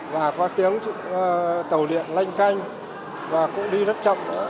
và có tiếng tàu điện lanh canh và cũng đi rất chậm nữa